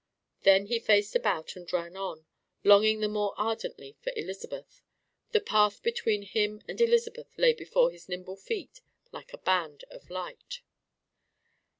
Then he faced about and ran on, longing the more ardently for Elizabeth: the path between him and Elizabeth lay before his nimble feet like a band of light.